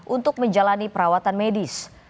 untuk menjalani perawatan medis